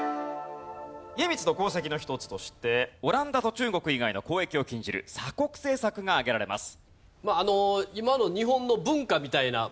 家光の功績の一つとしてオランダと中国以外の交易を禁じる鎖国政策が挙げられます。